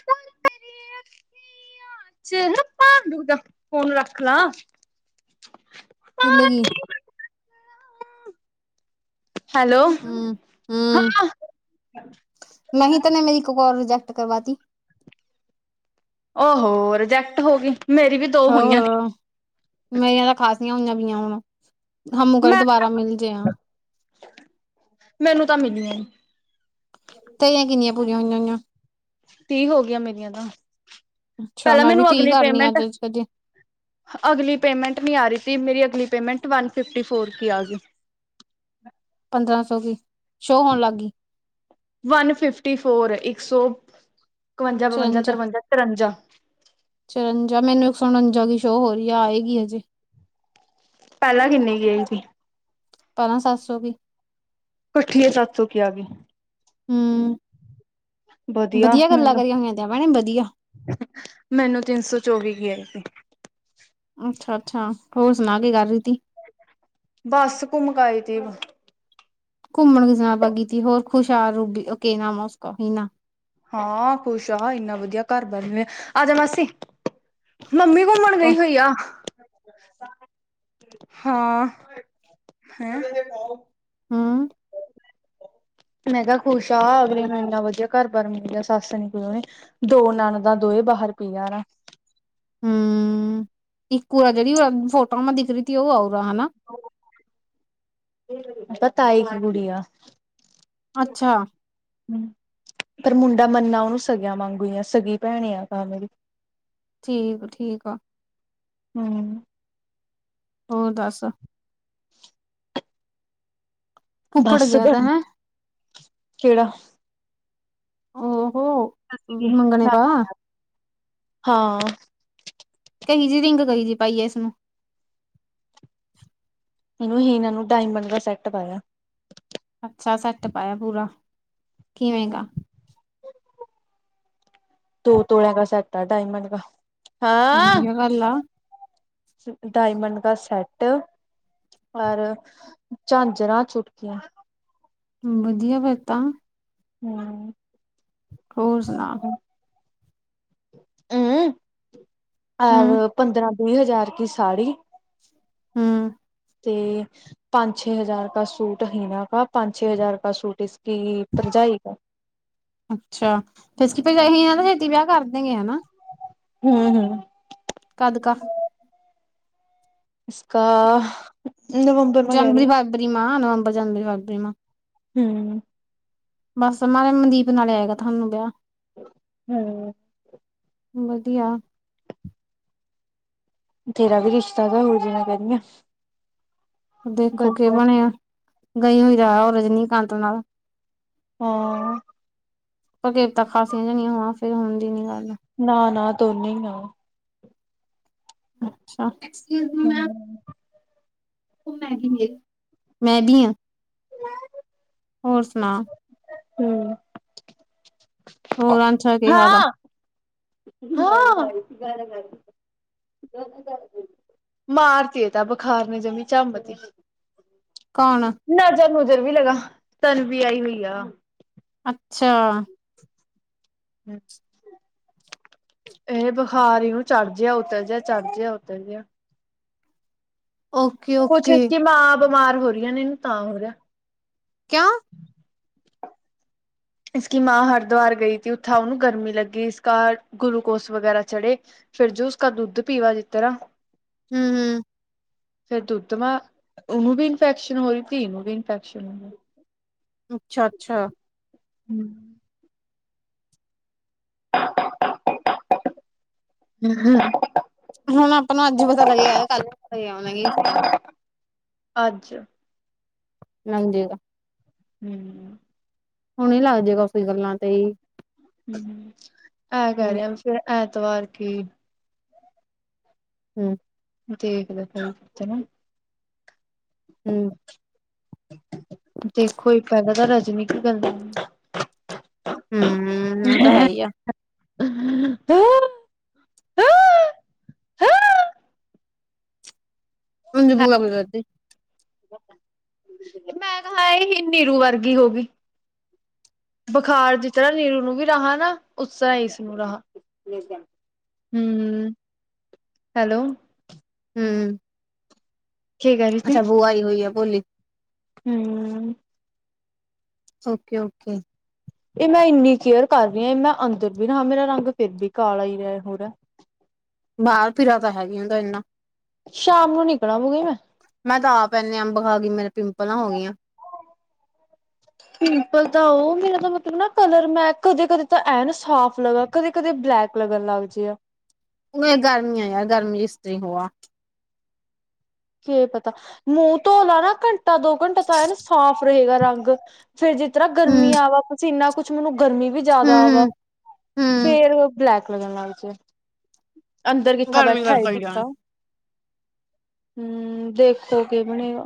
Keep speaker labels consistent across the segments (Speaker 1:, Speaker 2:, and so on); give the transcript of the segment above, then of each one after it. Speaker 1: [inaudible]
Speaker 2: ਚਲ ਭਾਂਡੂ ਦਾ ਫੋਨ ਰੱਖ ਲਾਂ [unintelligible]
Speaker 1: ਹਿਲ ਗੀ।
Speaker 2: ਹੈਲੋ, ਹਾਂ,
Speaker 1: ਨਹੀਂ ਤਾਂ ਏਨੇ ਮੇਰੀ ਇੱਕ ਕਾਲ ਰਿਜੈਕਟ ਕਰਵਾਤੀ [unintelligible]
Speaker 2: ਉਹ ਹੋ, ਰਿਜੈਕਟ ਹੋ ਗਈ ਮੇਰੀ ਵੀ ਦੋ ਹੋਈਆਂ
Speaker 1: ਹੋਰ ਮੇਰੀਆਂ ਤਾਂ ਖ਼ਾਸੀਆਂ ਨਵੀਆਂ ਹੁਣ ਹਮੂ ਘਰੇ
Speaker 2: ਮੈਂ
Speaker 1: ਦੁਬਾਰਾ ਮਿਲ ਜੇ ਹਾਂ [unintelligible]
Speaker 2: ਮੈਨੂੰ ਤਾਂ ਮਿਲੀਆ ਨੀ
Speaker 1: ਤੇਰੀਆਂ ਕਿੰਨੀਆਂ ਪੂਰੀਆਂ ਹੋਈਆਂ ਹੋਈਆਂ।
Speaker 2: ਤੀਹ ਹੋ ਗਈਆਂ ਮੇਰੀਆਂ ਤਾਂ,
Speaker 1: ਅੱਛਾ
Speaker 2: ਪਹਿਲਾਂ
Speaker 1: ਮੈਂ ਵੀ
Speaker 2: ਮੈਨੂੰ
Speaker 1: ਤੀਹ
Speaker 2: ਅਗਲੀ
Speaker 1: ਕਰਨੀ
Speaker 2: ਪੇਮੈਂਟ
Speaker 1: ਅੱਜ ਅੱਜ
Speaker 2: ਅਗਲੀ ਪੇਮੈਂਟ ਨਹੀਂ ਆ ਰਹੀ ਸੀ, ਮੇਰੀ ਅਗਲੀ ਪੇਮੈਂਟ ਵਨ ਫਿਫਟੀ ਫੋਰ ਕੀ, ਆ ਗਈ।
Speaker 1: ਪੰਦਰਾਂ ਸੌ ਕੀ, ਸ਼ੋਅ ਹੋਣ ਲੱਗ ਗਈ।
Speaker 2: ਵਨ ਫਿਫਟੀ ਫੋਰ ਇੱਕ ਸੌ ਇਕਵੰਜਾ, ਬਵੰਜਾ, ਤਰਵੰਜਾ, ਚੁਰੰਜਾ।
Speaker 1: ਚਰੰਜਾ ਮੈਨੂੰ ਇੱਕ ਸੌ ਉੱਨਿਜਾ ਕੀ ਸ਼ੋਅ ਹੋ ਰਹੀ ਹੈ, ਆਏਗੀ ਹਜੇ।
Speaker 2: ਪਹਿਲਾਂ ਕਿੰਨੇ ਕੀਏ ਸੀ
Speaker 1: ਪਹਿਲਾਂ ਸੱਤ ਸੌ ਵੀ।
Speaker 2: ਇਕੱਠੀਏ ਸੱਤ ਸੌ ਕੀ ਆ ਗਈ
Speaker 1: ਹੂ, ਵਧੀਆ ਗੱਲਾਂ ਕਰੀਆਂ ਹੋਈਆਂ, ਤੇੈ ਮੈਂ ਵਧੀਆ
Speaker 2: ਮੈਨੂੰ ਤਿੰਨ ਸੌ ਚੌਵੀ ਕੀ ਆਈ ਸੀ।
Speaker 1: ਅੱਛਾ ਅੱਛਾ, ਹੋਰ ਸੁਣਾ ਕੇ ਕਰ ਰਹੀ ਤੀ
Speaker 2: ਬੱਸ ਘੁੰਮਕ ਆਈ [unintelligible]
Speaker 1: ਘੁੰਮਣ ਘਣ ਪ ਤ ਹੋਰ ਖੁਸ਼ਹਰ ਰੂਬੀਕੇ ਨਾਸ ਨਾ [unintelligible]
Speaker 2: ਹਾਂ, ਖੁਸ਼ ਆ ਇੰਨਾ ਵਧੀਆ ਘਰ ਬਣ ਰਿਹਾ, ਆ ਜਾਣਾ ਸੀ। ਮੰਮੀ ਘੁੰਮਣ ਗਈ ਹੋਈ ਆ, ਹਾਂ, ਹੈਂ।
Speaker 1: ਹੂ
Speaker 2: ਮੈਂ ਕਿਹਾ ਖੁਸ਼ ਆ, ਅਗਲੀ ਨੂੰ ਇੰਨਾ ਵਧੀਆ ਘਰ ਬਾਰ ਮਿਲ ਗਿਆ, ਸੱਸ ਨੀ ਕੋਈ ਔ ਦੀ। ਦੋ ਨੰਨਦਾ ਦੋਏ ਬਾਹਰ ਪਇਆ ਨਾ।
Speaker 1: [unintelligible] ਹਉ ਇੱਕੂ ਆ ਜਿਹੜੀ ਫੋਟੋ ਮੈਂ ਦਿਖ ਰਹੀ ਥੀ, ਉਹ ਆ ਊਰਾ ਹਨਾ?
Speaker 2: ਤਾਈ ਕੀ ਕੁੜੀਆ
Speaker 1: ਅੱਛਾ
Speaker 2: [unintelligible] ਹਉ ਪਰ ਮੁੰਡਾ ਮੰਨਾ ਉਹਨੂੰ ਸਗਿਆਂ ਵਾਂਗੂੰ ਆ, ਸਗੀ ਭੈਣ ਆ ਤਾਂ ਮੇਰੀ। [unintelligible]
Speaker 1: ਠੀਕ ਠੀਕ ਆ।
Speaker 2: [unintelligible] ਹਉ
Speaker 1: ਹੋਰ ਦੱਸ ਫੁੱਫੜ
Speaker 2: ਬਸ
Speaker 1: ਗਿਆ ਤਾ
Speaker 2: ਗੱਲ
Speaker 1: ਹੈਂ,
Speaker 2: ਕਿਹੜਾ
Speaker 1: ਔ ਹੋ
Speaker 2: ਹਾਂ
Speaker 1: ਕਹੀ ਜੀ ਰਿੰਗ ਕਹੀ ਜੀ ਪਾਈਏ ਇਸ ਨੂੰ [unintelligible]
Speaker 2: ਇਹਨੂੰ ਹੀਨਾ ਨੂੰ ਡਾਇਮੰਡ ਦਾ ਸੈੱਟ ਪਾਇਆ।
Speaker 1: ਅੱਛਾ ਸੈੱਟ ਪਾਇਆ ਪੂਰਾ। ਕਿਵੇਂ ਗਾ?
Speaker 2: ਹੂ ਦੋ ਤੋਲੇ ਕਾ ਸੈਟ ਐ, ਡਾਇਮੰਡ ਕਾ। ਹਾਂ,
Speaker 1: ਵਧੀਆ ਗੱਲ ਆ,
Speaker 2: ਡਾਇਮੰਡ ਕਾ ਸੈਟ ਰ ਝਾਂਜਰਾਂ ਚੁਟਕੀਆਂ,
Speaker 1: ਵਧੀਆ ਫਿਰ ਤਾਂ
Speaker 2: [inaudible]
Speaker 1: ਹੋਰ ਸੁਣਾ
Speaker 2: [unintelligible] ਹਉ
Speaker 1: ਹੂੰ,
Speaker 2: ਔਰ ਪੰਦਰਾਂ ਵੀਹ ਹਜ਼ਾਰ ਕੀ ਸਾੜੀ।
Speaker 1: [unintelligible] ਹਉ
Speaker 2: ਤੇ ਪੰਜ ਛੇ ਹਜ਼ਾਰ ਕਾ ਸੂਟ ਹੀਨਾ ਕਾ, ਪੰਜ ਛੇ ਹਜ਼ਾਰ ਕਾ ਸੂਟ ਇਸਕੀ ਭਰਜਾਈ ਕਾ।
Speaker 1: ਅੱਛਾ ਫਿਰ ਸਕੀਮ ਇਹੀ ਹਨਾਂ ਛੇਤੀ ਵਿਆਹ ਕਰ ਦੇਗੇ ਹਨਾ।
Speaker 2: [unintelligible] ਹਉ
Speaker 1: ਕਦਕਾ
Speaker 2: ਇਸਕਾ
Speaker 1: ਜਨਵਰੀ, ਫਰਵਰੀ, ਮਾ ਨਵੰਬਰ ਜਨਵਰੀ ਫਰਰੀ ਮਾ
Speaker 2: [unintelligible] ਹਉ
Speaker 1: ਬਸ ਮੈ ਮਨਦੀਪ ਨਾਲੇ ਆਏਗਾ ਤੁਹਾਨੂੰ ਵਿਆਹ
Speaker 2: [unintelligible] ਹਉ
Speaker 1: ਵਧੀਆ
Speaker 2: ਤੇਰਾ ਵੀ ਰਿਸ਼ਤਾ ਤਾਂ ਹੋਜਾਣਾ ਕਾਹਦੀਆ।
Speaker 1: ਦੇਖੋ ਕਿ ਬਣਿਆ, ਗਈ ਹੋਈ ਤਾਂ ਉਹ ਰਜਨੀਕਾਂਤ ਨਾਲ
Speaker 2: ਹਾਂ
Speaker 1: ਪਰਕੇਰਤ ਖਾਸੀਆਂ ਜਾਣੀ ਹੋਵਾ, ਫੇਰ ਹੁੰਦੀ ਨੀ ਗੱਲ
Speaker 2: ਨਾ ਨਾ ਦੋਨੇ ਆ।
Speaker 1: ਅੱਛਾ ਐਕਸਕੁਇਜ਼ ਮੀ ਮੈਂਮ। ਉਹ ਮਾਗਿੰਗ ਹਿਸ, ਮੈਂ ਵੀ ਹਾਂ
Speaker 2: [inaudible]
Speaker 1: ਹੋਰ ਸੁਣਾ
Speaker 2: [unintelligible] ਹਉ
Speaker 1: ਹੋਰ ਆਨਸ਼ਾ ਕੀ ਹਾਲ ਆ?
Speaker 2: ਹਾਂ ਮਾਰਤੀ ਏ ਤੇ ਬੁਖਾਰ ਨੇ ਜਮੀ ਚੰਬਦੀ।
Speaker 1: ਕਣ
Speaker 2: ਨਜ਼ਰ ਨੁਜਰ ਵੀ ਲਗਾ ਤਨ ਵੀ ਆਈ ਹੋਈ ਆ
Speaker 1: ਅੱਛਾ
Speaker 2: ਹਮ ਇਹ ਬੁਖਾਰ ਹੀਨ ਚੜ੍ਹ ਜਿਹਾ ਉਤ ਜਿਹਾ ਚੜ੍ਹ ਜਹਾ ਉਤਰ ਜਿਹਾ
Speaker 1: ਓਕੇਓ
Speaker 2: ਕੁੱਛ ਕਿ ਮਾਂ ਬਿਮਾਰ ਹੋ ਰਹੀਆਂ ਨੇ ਇਹਨੂੰ ਤਾਂ ਹੋ ਰਿਹਾ
Speaker 1: ਕਿਆ
Speaker 2: ਇਸਕ ਮਾਂ ਹਰਿਦੁਆਰ ਗਈ ਸੀ ਉੱਥੇ ਉਹਨੂੰ ਗਰਮੀ ਲੱਗੀ ਇਸ ਘ ਗੁਰੂਕੋਸ ਵਗੈਰਾ ਚੜ੍ਹੇ ਫਿਰ ਜੋ ਉਸਦਾ ਦੁੱਧ ਪੀਵਾ ਜਿਸ ਤਰਾ
Speaker 1: ਹੂੰ-ਹੂੰ,
Speaker 2: ਫੇਰ ਦੁੱਧਵਾਂ ਉਹਨੂੰ ਵੀ ਇਨਫੈਕਸ਼ਨ ਹੋ ਰਹੀ ਤੀ ਨੂੰ ਵੀ ਇਨਫੈਕਸ਼ਨ ਹੋ ਰਹੀ।
Speaker 1: ਅੱਛਾ ਅੱਛਾ
Speaker 2: ਹਮ [unintelligible] ਹਉ
Speaker 1: ਹੁਣ ਆਪਾਂ ਨੂੰ ਅੱਜ ਹੀ ਪਤਾ ਲੱਗੇਗਾ, ਕੱਲ ਵੀ ਪਤਾ ਹੀ ਆਉਣਾਗੇ ਉਸਦਾ।
Speaker 2: ਅੱਜ
Speaker 1: ਨਦੀਗਾ
Speaker 2: [unintelligible] ਹਉ
Speaker 1: ਹੁਣ ਲੱਗ ਜਏਗਾ ਕੁ ਗੱਲਾਂ ਤੇ ਹੀ।
Speaker 2: ਹੂੰ, ਐ
Speaker 1: ਹੂੰ
Speaker 2: ਕਹਿ ਰਿਹਾ ਫੇਰ ਐਤਵਾਰ ਕੀ,
Speaker 1: ਹੂੰ,
Speaker 2: [unintelligible]
Speaker 1: ਹੂੰ,
Speaker 2: ਦੇਖੋ ਜੀ, ਪਹਿਲਾਂ ਤਾਂ ਰਜਨੀ ਕੀ ਗੱਲ
Speaker 1: ਹੂੰ, ਉਹ ਤਾਂ ਹੈ ਹੀ ਆ। ਅ ਬੂਗਾ [unintelligible]
Speaker 2: ਤੇ ਮੈਂ ਕਿਹਾ ਇਹੀ ਨੀਰੂ ਵਰਗੀ ਹੋ ਗਈ। ਬੁਖਾਰ ਜਿਸ ਤਰ੍ਹਾਂ ਨੀਰੂ ਨੂੰ ਵੀ ਰਹਾ ਨਾ, ਉਸ ਤਰ੍ਹਾਂ ਇਸ ਨੂੰ ਰਹਾ। ਹੂੰ-ਹੂੰ, ਹੈਲੋ,
Speaker 1: ਹੂੰ,
Speaker 2: ਕੀ ਕਹਿ ਰਹੀ ਸੀ
Speaker 1: ਅੱਛਾ, ਬੁਆ ਆਈ ਹੋਈ ਹੈ ਭੋਲੀ,
Speaker 2: ਹੂੰ,
Speaker 1: ਓਕੇ ਓਕੇ,
Speaker 2: ਇਹ ਮੈਂ ਇੰਨੀ ਕੇਅਰ ਕਰ ਰਹੀ ਹਾਂ, ਇਹ ਮੈਂ ਅੰਦਰ ਵੀ ਰਹਾ, ਮੇਰਾ ਰੰਗ ਫਿਰ ਵੀ ਕਾਲਾ ਹੀ ਰਿਹਾ ਹੋ।
Speaker 1: ਬਾਹਰ ਫਿਰਾ ਤਾਂ ਹੈਗੀ ਹੁੰਦਾ ਇੰਨਾ
Speaker 2: ਸ਼ਾਮ ਨੂੰ ਨਿਕਲਵਗੇ ਮੈਂ,
Speaker 1: ਮੈਂ ਤਾਂ ਆ ਪੈਂਨੇ ਅੰਬ ਖਾ ਗਈ, ਮੇਰੇ ਪਿੰਪਲਾਂ ਹੋ ਗਈਆਂ।
Speaker 2: ਪ ਸਿੰਪਲ ਤਾਂ ਉਹ ਮੇਰਾ ਤਾਂ ਮਤਲਬ, ਨਾ ਕਲਰ ਮੈਂ ਕਦੇ-ਕਦੇ ਤਾਂ ਐ ਨਾ ਸਾਫ਼ ਲਗਾ। ਕਦੇ-ਕਦੇ ਬਲੈਕ ਲੱਗਣ ਲੱਗ ਜੇ ਆ।
Speaker 1: ਹੂੰ, ਗਰਮੀਆਂ ਯਾਰ ਗਰਮੀ ਇਸ ਤਰੀ ਹੋਆ।
Speaker 2: ਕੀ ਪਤਾ ਮੂੰਹ ਧੋਲਾ ਨਾ ਘੰਟਾ ਦੋ ਘੰਟਾ ਤਾਂ ਇਹਨਾ ਸਾਫ਼ ਰਹੇਗਾ ਰੰਗ, ਫੇਰ ਜਿਸ ਤਰ੍ਹਾਂ
Speaker 1: ਹੂੰ
Speaker 2: ਗਰਮੀ ਆ ਵ ਇੰਨਾ ਕੁਛ ਮੈਨੂੰ ਗਰਮੀ ਵੀ ਜਿਆਦਾ ਆ ਵਾ,
Speaker 1: ਹੂੰ ਹੂੰ
Speaker 2: ਫੇਰ ਬਲੈਕ ਲੱਗਣ ਲੱਗ ਜਾ ਅੰਦਰ ਕਿੱਥਾ
Speaker 1: ਗਰਮੀ ਕਰ
Speaker 2: ਬੈਠਾ
Speaker 1: ਕਰ
Speaker 2: ਟਿਕ
Speaker 1: ਜਾਣ
Speaker 2: ਕਾ ਹੂੰ, ਦੇਖੋ ਕਿ ਬਣੇਗਾ,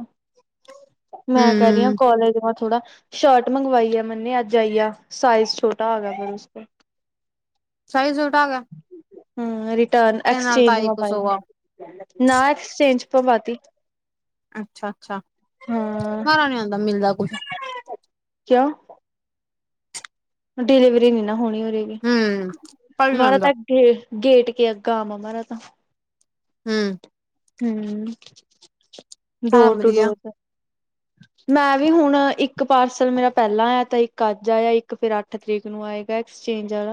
Speaker 2: ਮੈਂ ਕਹਿ ਰਹੀ ਹਾਂ
Speaker 1: ਹੂੰ
Speaker 2: ਕੋਲੇਜ ਵਾ ਥੋੜਾ ਸ਼ਰਟ ਮੰਗਵਾਈ, ਆ ਮੈਨੇ ਅੱਜ ਆਈ ਆ ਸਾਈਜ਼ ਛੋਟਾ ਆ ਗਿਆ ਫੇਰ ਤੋਂ
Speaker 1: ਸਾਈਜ਼ ਛੋਟਾ ਆ ਗਿਆ।
Speaker 2: ਹੂੰ, ਰਿਟਰਨ
Speaker 1: ਤੇ ਨਾਲ
Speaker 2: ਐਕਸਚੇਂਜ
Speaker 1: ਤਾਜ਼ੀ
Speaker 2: ਮੈ
Speaker 1: ਕੁਛ
Speaker 2: ਪਾਈ
Speaker 1: ਹੋਆ
Speaker 2: ਨਾ ਐਕਸਚੇਂਜ ਪਾਤੀ।
Speaker 1: ਅੱਛਾ-ਅੱਛਾ,
Speaker 2: ਹਾਂ
Speaker 1: ਮਾਰਾ ਨੀ ਆਦਾ ਮਿਲਦਾ ਕੁੱਛ
Speaker 2: ਕਿਉਂ? ਡਿਲੀਵਰੀ ਨੀ ਨਾ ਹੋਣੀ ਹੋਵੇਗੀ
Speaker 1: ਹੂੰ ਪਰ ਨੀ
Speaker 2: [unintelligible]
Speaker 1: ਆਉਂਦਾ
Speaker 2: ਤਾਂ ਗੇਟ ਕੇ ਆ ਗਾਵ ਆ ਮਾਰਾ ਤਾਂ।
Speaker 1: ਹੂੰ,
Speaker 2: ਹੂੰ
Speaker 1: ਸਾਰਾ
Speaker 2: ਡੋਰ ਟੂ
Speaker 1: ਵਧੀਆ
Speaker 2: ਡੋਰ ਤਾਂ ਮੈਂ ਵੀ ਹੁਣ ਇੱਕ ਪਾਰਸਲ ਮੇਰਾ ਪਹਿਲਾਂ ਆ, ਤੇ ਇੱਕ ਆਜ ਆ ਇੱਕ ਫਿਰ ਅੱਠ ਤਰੀਕ ਨੂੰ ਆਏਗਾ, ਐਕਸਚੇਂਜ ਆ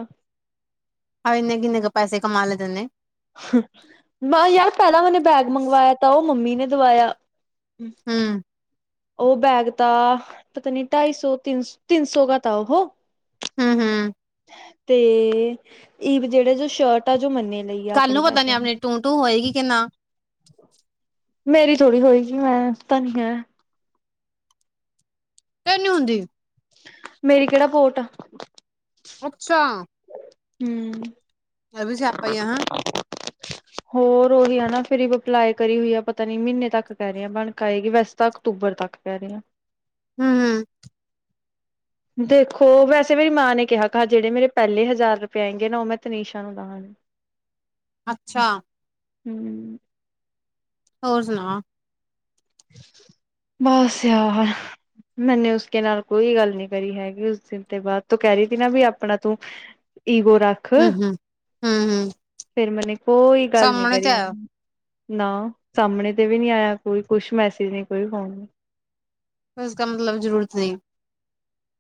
Speaker 1: ਹਾਂ ਇੰਨੇ ਕਿੰਨੇ ਕੁ ਪੈੇ ਕਮਾ ਲੈ ਤੇਨੇ।
Speaker 2: ਹੂੰ, ਯਾਰ ਪਹਿਲਾਂ ਮੈਨੇ ਬੈਗ ਮੰਗਵਾਇਆ, ਤਾਂ ਉਹ ਮੰਮੀ ਨੇ ਦਵਾਇਆ।
Speaker 1: ਹੂੰ,
Speaker 2: ਉਹ ਬੈਗ ਤਾਂ ਪਤਾ ਨੀ ਢਾਈ ਸੌ, ਤਿੰਨ ਤਿੰਨ ਸੌ ਕ ਥਾ ਉਹ।
Speaker 1: ਹੂ ਹੂ
Speaker 2: ਤੇ ਈਵ ਜਿਹੜੇ ਜੋ ਸ਼ਰਟ ਤਾ ਜੋ ਮੰਨੇ ਲਈ ਆ
Speaker 1: ਕੱਲ
Speaker 2: ਆਪਣੇ
Speaker 1: ਨੂੰ ਪਤਾ ਨੀ
Speaker 2: ਪੈਸਿਆਂ
Speaker 1: ਆਪਣੀ ਟੂ ਟੂ ਹੋਏਗੀ ਕਿ ਨਾ
Speaker 2: ਮੇਰੀ ਥੋੜ੍ਹੀ ਹੋਏਗੀ, ਮੈਂ ਤਾਂ ਨਹੀਂ ਹੈ।
Speaker 1: ਫੇਰ ਨੀ ਹੁੰਦੀ।
Speaker 2: ਮੇਰੀ ਕਿਹੜਾ ਬੋਟ ਆ।
Speaker 1: ਅੱਛਾ,
Speaker 2: ਹੂੰ,
Speaker 1: ਇਹ ਵੀ ਸਿਆਪਾ ਹੀ ਆ ਹੈਂ [unintelligible]
Speaker 2: ਹੋਰ ਉਹੀ ਹੈ ਨਾ ਫਿਰ ਅਪਲਾਏ ਕਰੇਗੀ, ਪਤਾ ਨੀ ਮਹੀਨੇ ਤੱਕ ਕਹਿ ਰਹੇ ਬਣਕੇ ਆਏਗੀ ਵੈਸੇ ਤ ਅਕਤੂਬਰ ਤੱਕ ਪੈ ਰਹੇ ਹਾ।
Speaker 1: ਹੂ ਹੂ
Speaker 2: ਦੇਖੋ ਵੈਸੇ ਮੇਰੀ ਮਾਂ ਨੇ ਕਿਹਾ ਕਿਹਾ ਜਿਹੜੇ ਮੇਰੇ ਪਹਿਲੇ ਹਜ਼ਾਰ ਰੁਪਏ ਆ ਹੈਂਗੇ ਨਾ ਉਹ ਮੈਂ ਤਨੀਸ਼ਾ ਨੂੰ ਦਵਾਂਗੀ।
Speaker 1: ਅੱਛਾ।
Speaker 2: ਹੂ
Speaker 1: ਹੋਰ ਸੁਣਾ?
Speaker 2: ਬਸ ਯਾਰ। ਮੈਨੇ ਉਸਕੇ ਨਾਲ ਕੋਈ ਗੱਲ ਨੀ ਕਰੀ ਹੈਗੀ ਉਸ ਦਿਨ ਤੇ ਬਾਅਦ ਤੂੰ ਕਹਿ ਰਹੀ ਸੀ ਨਾ ਵੀ ਆਪਣਾ ਤੂੰ ਈਗੋ ਰੱਖ,
Speaker 1: ਹੂੰ ਹੂੰ ਹੂੰ ਹੂੰ
Speaker 2: ਫਿਰ ਮੈਨੇ ਕੋਈ ਗੱਲ ਨੀ
Speaker 1: ਸਾਹਮਣੇ ਤੇ
Speaker 2: ਕਰੀ।
Speaker 1: ਆਇਆ
Speaker 2: ਨਾ ਸਾਹਮਣੇ ਤੇ ਵੀ ਨਹੀਂ ਆਇਆ ਕੋਈ, ਕੁਛ ਮੈਸੇਜ ਨਹੀਂ ਕੋਈ ਫੋਣ ਨਹੀਂ।
Speaker 1: ਉਸਕਾ ਮਤਲਬ ਜ਼ਰੂਰਤ ਨਹੀਂ।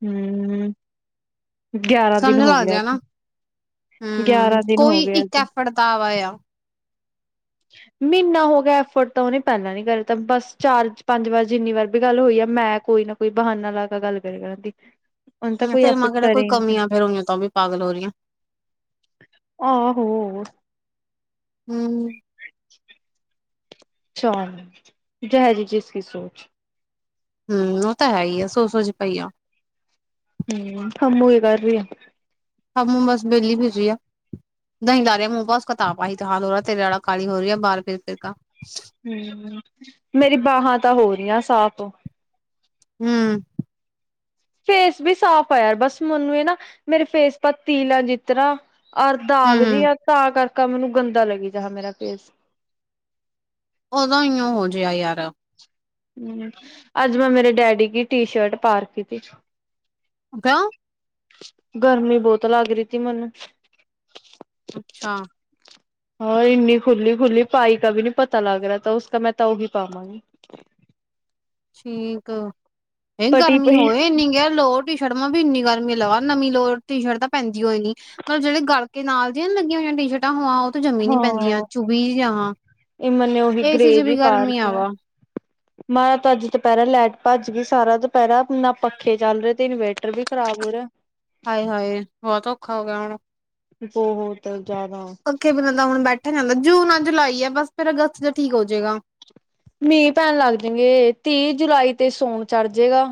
Speaker 2: ਹੂ
Speaker 1: ਸਮਝ
Speaker 2: ਹੋ
Speaker 1: ਲੱਗ
Speaker 2: ਗਿਆ
Speaker 1: ਜਾ ਨਾ,
Speaker 2: ਅੱਜ
Speaker 1: ਹੂ
Speaker 2: ਗਿਆਰਾਂ ਦਿਨ ਹੋ
Speaker 1: ਕੋਈ
Speaker 2: ਗਿਆ
Speaker 1: ਇੱਕ
Speaker 2: ਅੱਜ
Speaker 1: ਐਫਟ ਦਾ ਆਵਾ ਆ। [unintelligible]
Speaker 2: [unintelligible] ਮਹੀਨਾ ਹੋ ਗਿਆ ਐਫੋਰਡ ਤਾਂ ਉਹਨੇ ਪਹਿਲਾਂ ਨ ਕਰ ਦਿੱਤਾ, ਬਸ ਚਾਰ ਪੰਜ ਵਾਰ ਜਿੰਨੀ ਵਾਰ ਵੀ ਗੱਲ ਹੋਈ ਆ ਮੈਂ ਕੋਈ ਨਾ ਕੋਈ ਬਹਾਨਾ ਲਾ ਕੇ ਗੱਲ ਕਰਗਾ ਨਾ, ਦੀ।
Speaker 1: [unintelligible]
Speaker 2: ਔ ਨ ਤਾਂ ਕੋਈ ਐਫਟ
Speaker 1: ਜਿਹੜਾ ਕੋਈ ਕਮੀਆਂ ਫਰ ਉਈਆਂ ਤੋਂ ਉਹ ਵੀ ਪਾਗਲ ਹੋ ਰਹੀਆਂ।
Speaker 2: ਆਹੋ।
Speaker 1: ਹੂ
Speaker 2: [unintelligible] ਚਲ, ਜੈਸੀ ਜਿਸ ਕੀ ਸੋਚ।
Speaker 1: ਹੂ, ਉਹ ਤਾਂ ਹੈ ਹੀ ਐ, ਸੋਚ ਸੋਚ ਚ ਪਈ ਆ।
Speaker 2: ਹਮ [unintelligible]
Speaker 1: ਹੂੰ ਬਸ ਵਿਹਲੀ [unintelligible] ਆ। ਦਹੀਂ ਲ ਰਿਹਾ ਮੂੰਹ ਬਸ ਕਿਤਾਬ ਆਹੀ ਤੇ ਹਾਲ ਹੋ ਤੇਰੇ ਵਾਲਾ ਕਾਲੀ ਹੋ ਰਹੀ ਹੈ ਬਾਹਰ ਫਿਰ ਫਿਰ ਕਾ। [unintelligible]
Speaker 2: ਹੂ, ਮੇਰੀ ਬਾਹਾਂ ਤਾਂ ਹੋ ਰਹੀਆਂ ਸਾਫ਼
Speaker 1: ਹੂ
Speaker 2: ਫੇਸ ਵੀ ਸਾਫ਼ ਆਇਆਰ ਬਸ ਮੈਨੂੰ ਇਹ ਨਾ, ਮੇਰੇ ਫੇਸ ਪਰ ਤਿਲ ਐ, ਜਿਸ ਤਰ੍ਹਾਂ ਅਰ ਦਾਗ ਜ ਆ ਤਾਂ ਕਰਕਾ ਮੈਨੂੰ ਗੰਦਾ ਲੱਗੀ ਜਾਹਾ ਮੇਰਾ ਫੇਸ
Speaker 1: ਉਦੋਂ ਇਈਂ ਹੋ ਜਿਹਾ ਯਾਰ [unintelligible]
Speaker 2: ਹਮ ਅੱਜ ਮੈਂ ਮੇਰੇ ਡੈਡੀ ਕੀ ਟੀ ਸ਼ਰਟ ਪਾ ਰੱਖੀ ਥੀ।
Speaker 1: ਅਕਾ [unintelligible]
Speaker 2: ਗਰਮੀ ਬਹੁਤ ਲੱਗ ਰਹੀ ਤੀ ਮੈਨੂੰ-'
Speaker 1: ਅੱਛਾ।
Speaker 2: ਹਾਂਰ ਇੰਨੀ ਖੁੱਲੀ ਖੁੱਲੀ ਪਾਈ ਕ ਵੀ ਨਹੀਂ ਪਤਾ ਲੱਗ ਰਿਹਾ ਤਾਂ, ਉਸ ਮੈਂ ਤਾਂ ਉਹ ਵੀ ਪਾਵਾਂਗੀ।
Speaker 1: ਠੀਕ, ਇਹ ਗਰਮੀ ਹੋਏ ਇਨੀ ਗ ਲੋੜ ਟੀ ਸ਼ਰਟਾ ਵੀ ਇੰਨੀ ਗਰਮੀ ਲਗਾਵਾ ਨਵੀਂ ਲੋ ਟੀ ਸ਼ਰਟ ਤਾਂ ਪੈਂਦੀ ਹੋਈ ਨੀ। ਮਤਲਬ ਜਿਹੜੇ ਗਲ ਨਾਲ ਦੀਆਂ ਲੱਗੀਆਂ ਹੋਆਂ ਸ਼ਟ ਟਾਂ ਹੋਵਾਂ ਉਹ ਜੰਮੀ ਨੀ ਪੈਂਦੀਆਂ, ਚੁਭੀ ਜਾਂ ਵਾਂ,
Speaker 2: ਇਹ ਮੈਨੇ ਉਹੀ
Speaker 1: ਏ ਸੀ ਜੀ ਵੀ ਗਰਮੀ ਆ। [unintelligible]
Speaker 2: [unintelligible] ਤ ਅੱਜ ਦੁਪਹਿਰਾ ਲਾਈਟ ਭੱਜ ਗਈ ਸਾਰਾ ਦੁਪਹਿਰਾ ਨਾ ਪੱਖੇ ਚੱਲ ਰਹੇ ਤੇ ਇਨਵੇਰਟਰ ਵੀ ਖ਼ਰਾਬ ਹੋ ਰਿਹਾ।
Speaker 1: ਹਾਏ ਹਾਏ ਬਹੁਤ ਔਖਾ ਹੋ ਗਿਆ ਹੁਣ।
Speaker 2: ਬਹੁਤ ਜ਼ਿਆਦਾ।
Speaker 1: ਪੱਖੇ ਬਿਨਾਂ ਤਾਂ ਹੁਣ ਬੈਠਾ ਨਹੀ ਜਾਂਦਾ, ਜੂਨ ਆ ਜੁਲਾਈ ਆ, ਬਸ ਫਿਰ ਅਗਸਤ ਚ ਠੀਕ ਹੋ ਜਾਏਗਾ।
Speaker 2: ਮੀਂਹ ਪੈਣ ਲੱਗ ਜਾਗੇ, ਤੀਹ ਜੁਲਾਈ ਤੇ ਸਾਵਨ ਚੜ ਜੇਗਾ।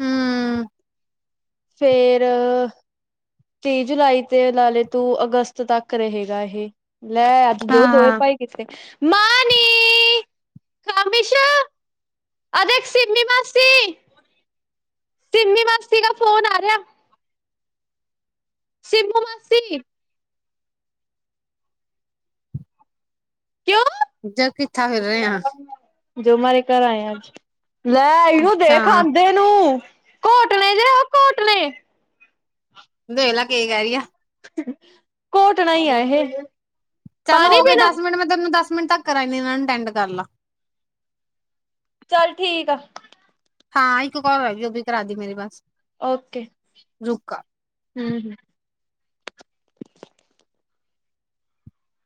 Speaker 1: ਹੂ
Speaker 2: ਫ਼ੇਰ ਤੀਹ ਜੁਲਾਈ ਤੇ ਲਾ ਲੇ ਤੂੰ ਅਗਸਤ ਤੱਕ ਰਹੇਗਾ ਇਹ ਲੈ ਜੋ
Speaker 1: ਹਾਂ
Speaker 2: ਦੋਏ
Speaker 1: ਹਾਂ
Speaker 2: ਪਏ ਕੀਤੇ ਮਾ ਨੀ ਖਮਿਸ਼ਾ ਅਦੇਕ ਸਮੀ ਮਾਸੀ ਸਿੰਮੀ ਮਾਸੀ ਕਾ ਫੋਨ ਆ ਰਿਹਾ। ਸੀਮੂ ਮਸੀ ਕਿਉ
Speaker 1: ਜ ਕਿੱਥਾ ਫਿਰ ਰਿਹੇਹਾ।
Speaker 2: ਜੋ ਮਾਰੇ ਘਰ ਆਏ ਆ ਅੱਜ ਲੈ ਆਈਓ
Speaker 1: ਅੱਛਾ
Speaker 2: ਦੇ ਖਾਂਦੇ ਘਟਣੇ ਜਿੜੇ ਉਹ ਘਟਣੇ
Speaker 1: ਦਲਾ ਕੇ ਕਹਿ ਰਹੀ ਆ।
Speaker 2: ਘੋਟਣਾ ਹੀ ਆ ਇਹ
Speaker 1: ਚੱਲ
Speaker 2: ਪਾਣੀ
Speaker 1: ਹੋ ਗਏ
Speaker 2: ਪੀਣਾ
Speaker 1: ਦਸ ਮਿੰਟ ਮੈਂ ਤੈਨੂੰ ਦਸ ਮਿੰਟ ਤੱਕ ਕਰਾਦੀ ਇਹਨਾਂ ਨੂੰ ਅਟੈਂਡ ਕਰ ਲਾ।
Speaker 2: ਚਲ ਠੀਕ ਆ।
Speaker 1: ਹਾਂ ਇੱਕ ਕਾਲ ਹੈਗੀ ਉਹ ਵੀ ਕਰਾ ਦੀ ਮੇਰੀ ਬਸ
Speaker 2: ਓਕੇ
Speaker 1: ਰੁਕ
Speaker 2: ਹ ਹ।